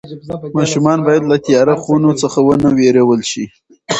ماشومان باید له تیاره خونو څخه ونه وېرول شي.